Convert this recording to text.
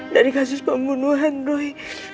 dari kasus pembunuhan roy